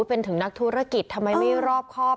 เป็นถึงนักธุรกิจทำไมไม่รอบครอบ